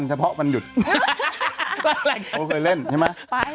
โอเคเล่นใช่ไหมไป